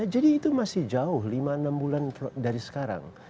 itu masih jauh lima enam bulan dari sekarang